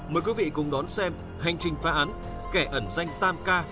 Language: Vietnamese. mời quý vị cùng đón xem hành trình phá án kẻ ẩn danh tam ca